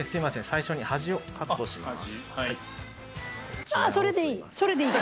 最初に端をカットします。